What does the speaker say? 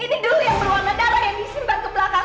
ini dulu yang berwarna darah yang disimpan ke belakang